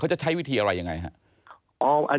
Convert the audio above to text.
เขาจะใช้วิธีอะไรยังไงฮะ